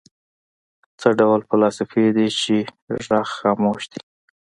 څه ډول فلاسفې دي چې غږ خاموش دی.